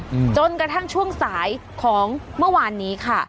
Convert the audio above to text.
อืมจนกระทั่งช่วงสายของเมื่อวานนี้ค่ะ